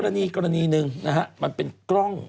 อย่างกระจ่าง